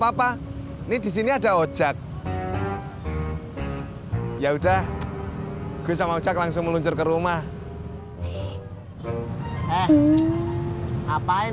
apa nih di sini ada ojak ya udah gue sama ojak langsung meluncur ke rumah eh eh ngapain